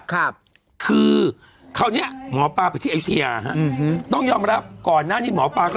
ครับคือเขาเนี้ยหมอปลาไปที่ไอเซียอืมฮึต้องยอมรับก่อนนั้นที่หมอปลาก็